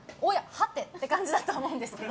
はて？って感じだと思うんですけど。